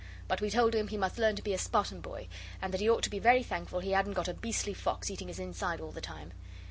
But we told him he must learn to be a Spartan boy, and that he ought to be very thankful he hadn't got a beastly fox eating his inside all the time.